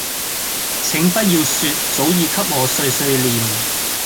請不要說早已給我碎碎唸